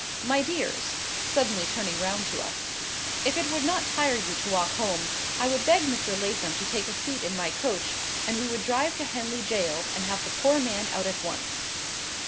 My dears!" suddenly turning round to us, "if it would not tire you to walk home, I would beg Mr. Lathom to take a seat in my coach, and we would drive to Henley Gaol, and have the poor man out at once."